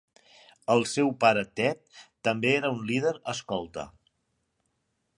El seu pare Ted també era un líder escolta.